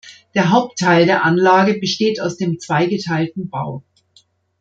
Der Hauptteil der Anlage besteht aus dem zweigeteilten Bau.